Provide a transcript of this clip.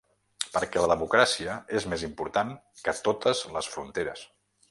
Perquè la democràcia és més important que totes les fronteres.